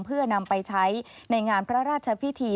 เพื่อนำไปใช้ในงานพระราชพิธี